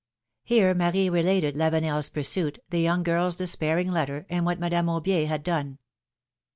Here Marie related Lavenel's pursuit, the young girl's despairing letter, and what Madame Aubier had done.